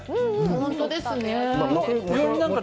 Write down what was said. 本当ですね。